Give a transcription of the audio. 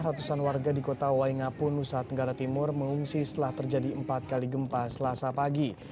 ratusan warga di kota waingapu nusa tenggara timur mengungsi setelah terjadi empat kali gempa selasa pagi